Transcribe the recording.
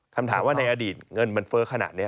คำถามว่าในอดีตเงินมันเฟ้อขนาดนี้